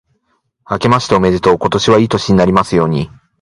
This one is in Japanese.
あけましておめでとう。今年はいい年になりますように。